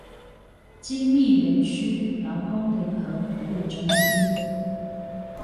精密園區勞工聯合服務中心